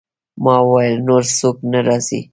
ما وویل: نور څوک نه راځي؟